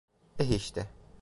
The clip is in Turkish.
Eh işte.